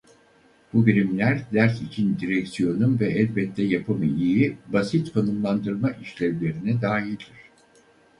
Bu birimler ders için direksiyonun ve elbette yapımı-iyi basit konumlandırma işlevlerine dahildir.